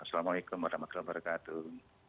assalamualaikum warahmatullahi wabarakatuh